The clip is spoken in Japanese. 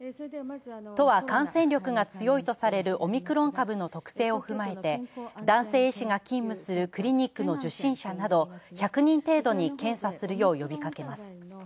都は感染力が強いとされるオミクロン株の特性を踏まえて男性医師が勤務するクリニックの受診者など１００人程度に検査するよう呼びかけます。